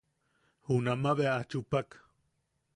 Junama bea a chupak.